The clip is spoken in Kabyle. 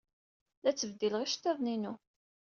La ttbeddileɣ iceḍḍiḍen-inu.